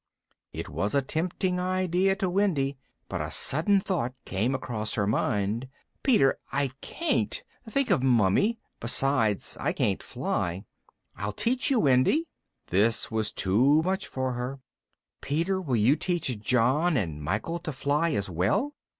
It was a tempting idea to Wendy, but a sudden thought came across her mind. "Peter, I can't! Think of Mummy! Besides, I can't fly." "I'll teach you, Wendy." This was too much for her. "Peter, will you teach John and Michael to fly as well?"